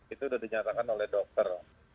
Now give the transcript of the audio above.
itu sudah dinyatakan oleh dokter